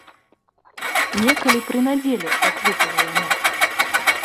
Некалі пры надзеле так выпала яно.